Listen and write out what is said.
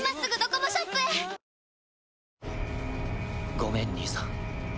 ごめん兄さん。